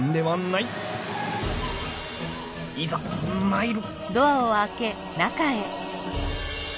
いざ参る！